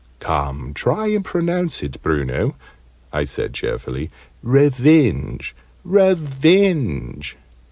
"Come! Try and pronounce it, Bruno!" I said, cheerfully. "Re venge, re venge."